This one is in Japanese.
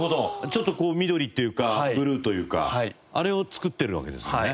ちょっとこう緑というかブルーというかあれを作ってるわけですよね。